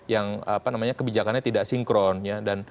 yang apa namanya kebijakannya tidak sinkronis